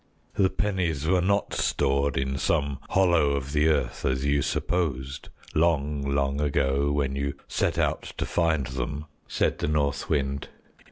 "The pennies were not stored in some hollow of the earth, as you supposed, long, long ago, when you set out to find them," said the North Wind.